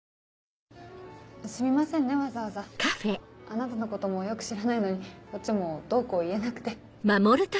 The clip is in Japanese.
あなたのこともよく知らないのにこっちもどうこう言えなくて。